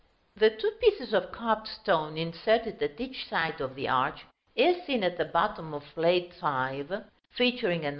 The two pieces of carved stone inserted at each side of the arch, as seen at the bottom of Plate V.